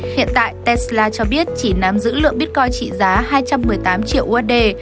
hiện tại tesla cho biết chỉ nắm giữ lượng bitcoin trị giá hai trăm một mươi tám triệu usd